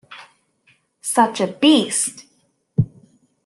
Such a beast!